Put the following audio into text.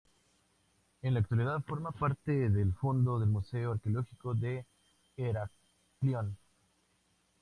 En la actualidad forma parte del fondo del Museo Arqueológico de Heraclión.